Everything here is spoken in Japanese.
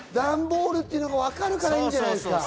ダンボールというのが、わかるからいいんじゃないですか。